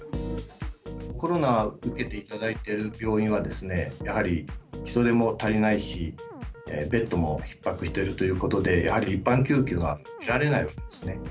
コロナを受けていただいている病院はですね、やはり人手も足りないし、ベッドもひっ迫してるということで、やはり一般救急が受けられないわけですね。